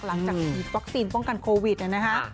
หลังจากฉีดวัคซีนป้องกันโควิดนะฮะ